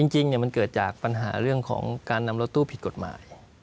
จริงมันเกิดจากปัญหาเรื่องของการนำรถตู้ผิดกฎหมาย